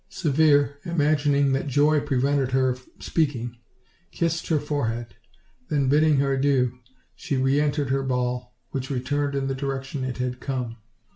Severe, imagining that joy prevented her speaking, kissed her forehead; then, bidding her adieu, she re entered her ball, which returned in the direction it had come.